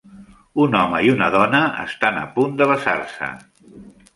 un home i una dona estan a punt de besar-se